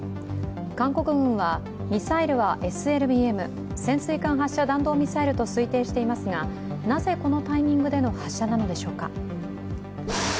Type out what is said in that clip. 韓国軍はミサイルはＳＬＢＭ＝潜水艦発射弾道ミサイルと推定していますがなぜ、このタイミングでの発射なのでしょうか。